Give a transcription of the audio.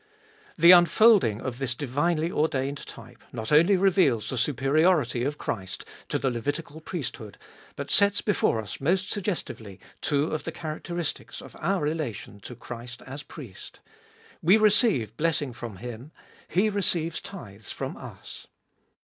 The unfolding of this divinely ordained type not only reveals the superiority of Christ to the Levitical priesthood, but sets before us most suggestively two of the characteristics of our relation to Christ as Priest. We receive blessing from Him ; He receives tithes from us.